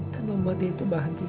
dan membuat dia itu bahagia